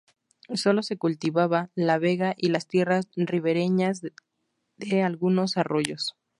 Sólo se cultivaba la vega y las tierras ribereñas de algunos arroyos.